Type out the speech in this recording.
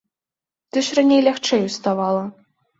Ты ж раней лягчэй уставала.